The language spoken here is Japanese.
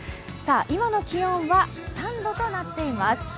今の気温は３度となっています。